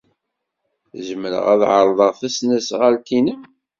Zemreɣ ad ɛerḍeɣ tasnasɣalt-nnem?